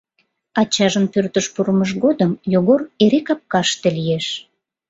Ачажын пӧртыш пурымыж годым Йогор эре капкаште лиеш.